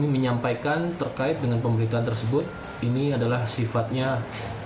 adalah hal yang sangat penting untuk memperbaiki keadaan pampung dan jawa barat